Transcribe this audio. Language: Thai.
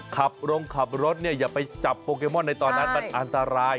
ขับลงขับรถเนี่ยอย่าไปจับโปเกมอนในตอนนั้นมันอันตราย